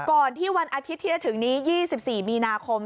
ก่อนที่วันอาทิตย์ที่จะถึงนี้๒๔มีนาคม